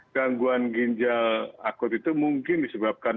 gangguan ginjal akut itu mungkin disebabkan